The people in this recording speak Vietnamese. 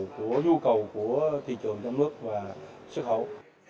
của nhu cầu của thị trường trong nước và xuất khẩu